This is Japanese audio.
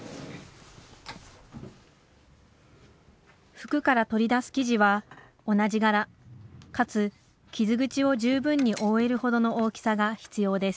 服から取り出す生地は同じ柄かつ傷口を十分に覆えるほどの大きさが必要です